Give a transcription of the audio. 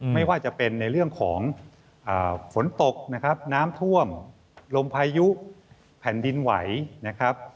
ไม่ว่าจะเป็นในเรื่องของฝนตกนะครับน้ำท่วมลมพายุแผ่นดินไหวนะครับ